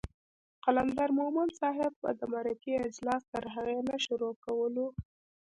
قلندر مومند صاحب به د مرکې اجلاس تر هغې نه شروع کولو